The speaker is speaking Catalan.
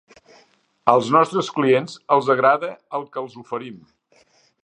Als nostres clients els agrada el que els oferim.